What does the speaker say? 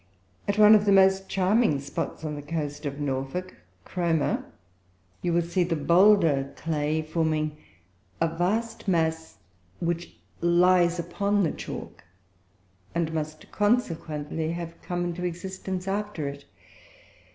At one of the most charming spots on the coast of Norfolk, Cromer, you will see the boulder clay forming a vast mass, which lies upon the chalk, and must consequently have come into existence after it.